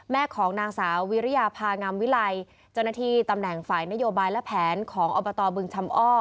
ของนางสาววิริยาภางามวิไลเจ้าหน้าที่ตำแหน่งฝ่ายนโยบายและแผนของอบตบึงชำอ้อ